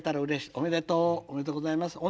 おめでとうおめでとうございます。